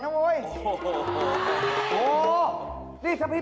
นั่นใคร